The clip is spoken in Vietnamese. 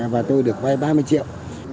và tôi được vay bà con